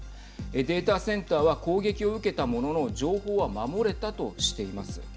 データセンターは攻撃を受けたものの情報は守れたとしています。